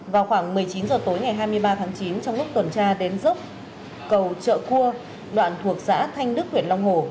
vào khoảng một mươi chín h tối ngày hai mươi ba tháng chín trong lúc tuần tra đến dốc cầu trợ cua đoạn thuộc xã thanh đức huyện long hồ